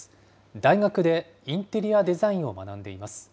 大学でインテリアデザインを学んでいます。